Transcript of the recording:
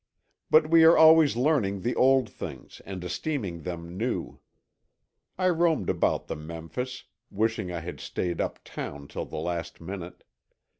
But we are always learning the old things and esteeming them new. I roamed about the Memphis, wishing I had stayed up town till the last minute.